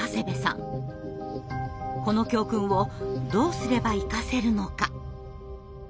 この教訓をどうすれば生かせるのか。